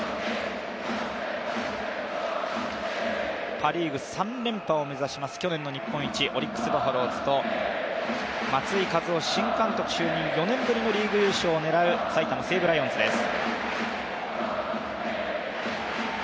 パ・リーグ３連覇を目指す去年の日本一、オリックス・バファローズと松井稼頭央新監督就任４年ぶりのリーグ優勝を狙う埼玉西武ライオンズです。